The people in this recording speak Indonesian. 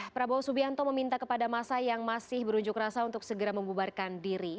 prabowo subianto meminta kepada masa yang masih berunjuk rasa untuk segera membubarkan diri